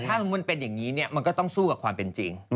ถ้ามันเป็นอย่างนี้มันก็ต้องสู้กับความเป็นจริง